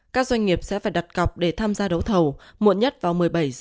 các doanh nghiệp sẽ phải đặt cọc để tham gia đấu thầu muộn nhất vào một mươi bảy h